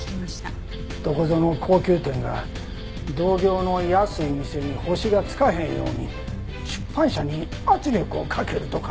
どこぞの高級店が同業の安い店に星がつかへんように出版社に圧力をかけるとか。